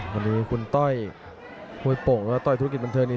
วันนี้คุณต้อยมวยโป่งและต้อยธุรกิจบันเทอร์นี้